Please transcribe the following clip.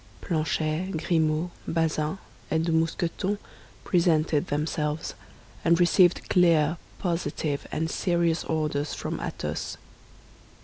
Planchet, Grimaud, Bazin, and Mousqueton presented themselves, and received clear, positive, and serious orders from Athos.